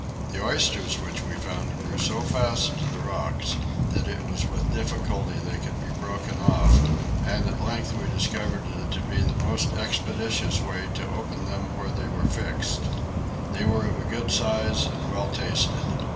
The oysters which we found grew so fast to the rocks that it was with difficulty they could be broken off, and at length we discovered it to be the most expeditious way to open them where they were fixed. They were of a good size, and well tasted.